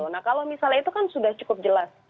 nah kalau misalnya itu kan sudah cukup jelas